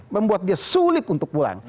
membuat dia sulit untuk pulang